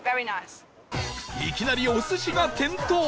いきなりお寿司が点灯